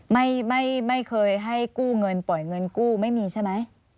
ไม่ไม่เคยให้กู้เงินปล่อยเงินกู้ไม่มีใช่ไหม